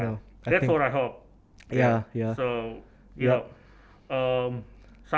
kadang kadang kita hanya